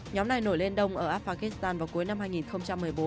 nhóm này nổi lên đông ở afghanistan vào cuối năm hai nghìn một mươi bốn